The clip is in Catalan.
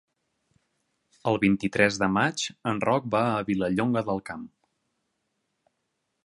El vint-i-tres de maig en Roc va a Vilallonga del Camp.